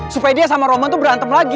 supaya dia sama roman tuh berantem lagi